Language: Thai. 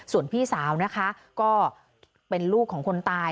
ส่วนพี่สาวนะคะก็เป็นลูกของคนตาย